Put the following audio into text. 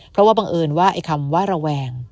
เพราะว่าบังเอิญว่าไอ้คำว่าระแวง